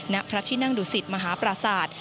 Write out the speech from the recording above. นักพระชินั่งดุสิตมหาประสาท